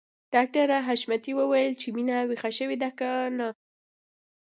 ډاکټر حشمتي وويل چې مينه ويښه شوې ده که نه